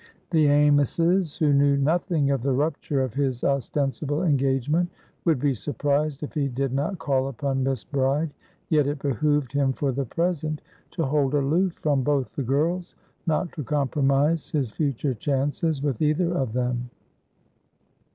The Amyses, who knew nothing of the rupture of his ostensible engagement, would be surprised if he did not call upon Miss Bride, yet it behooved him, for the present, to hold aloof from both the girls, not to compromise his future chances with either of them.